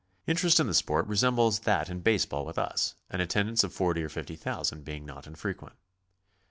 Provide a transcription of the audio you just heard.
Interest in the sport resembles that in baseball with us, an attendance of forty or fifty thousand being not infrequent.